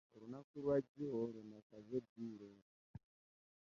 Olunaku lwa jjo lwe nasaze eddiiro.